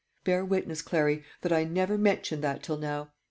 Bear witness, Clary, that I never mentioned that till now.